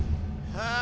はあ！